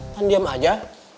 kan diam aja